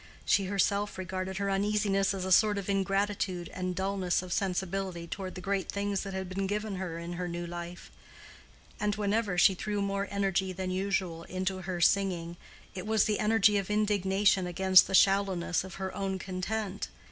She herself regarded her uneasiness as a sort of ingratitude and dullness of sensibility toward the great things that had been given her in her new life; and whenever she threw more energy than usual into her singing, it was the energy of indignation against the shallowness of her own content.